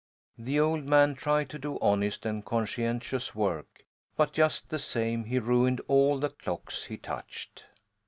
The old man tried to do honest and conscientious work, but just the name he ruined all the clocks he touched.